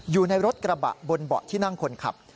อยู่ในรถกระบะบนเบาะที่นั่งคนขับ